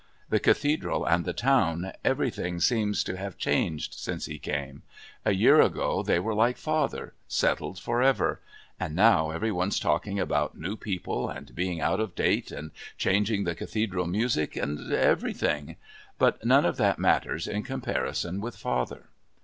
The Cathedral, and the town, everything seems to have changed since he came. A year ago they were like father, settled for ever. And now every one's talking about new people and being out of date, and changing the Cathedral music and everything! But none of that matters in comparison with father.